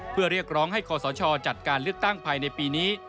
เพื่อเรียกร้องให้คอสชจัดการเลือกตั้งภายในปีนี้